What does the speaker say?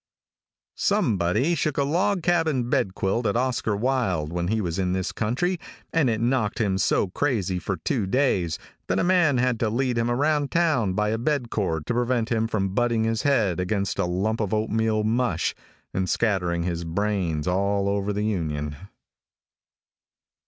|SOMEBODY shook a log cabin bed quilt at Oscar Wilde, when he was in this country, and it knocked him so crazy for two days, that a man had to lead him around town by a bed cord to prevent him from butting his head against a lump of oat meal mush, and scattering his brains all over the Union.